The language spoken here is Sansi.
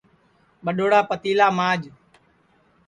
ٻڈؔوڑا پتیلا ماج